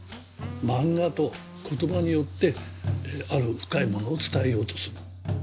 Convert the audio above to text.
漫画と言葉によってある深いものを伝えようとする。